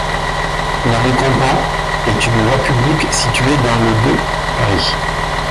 La rue Compans est une voie publique située dans le de Paris.